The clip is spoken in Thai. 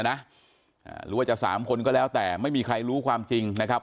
หรือว่าจะสามคนก็แล้วแต่ไม่มีใครรู้ความจริงนะครับ